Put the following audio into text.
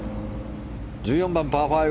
１４番、パー５。